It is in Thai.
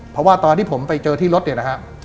เพราะว่าตอนที่ผมไปเจอที่รถเนี่ยนะฮะ